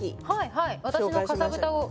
はい。